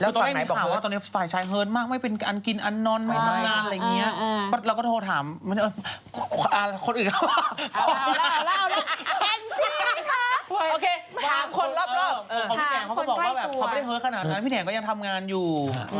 แล้วพี่แหน่งก็ยังทำงานอยู่